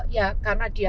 ya karena dia mikir